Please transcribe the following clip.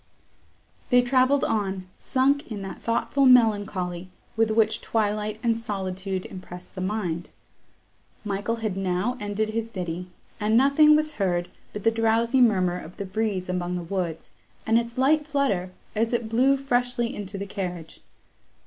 They travelled on, sunk in that thoughtful melancholy, with which twilight and solitude impress the mind. Michael had now ended his ditty, and nothing was heard but the drowsy murmur of the breeze among the woods, and its light flutter, as it blew freshly into the carriage.